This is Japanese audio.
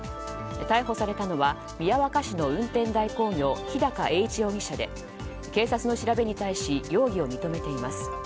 逮捕されたのは宮若市の運転代行業日高鋭一容疑者で警察の調べに対し容疑を認めています。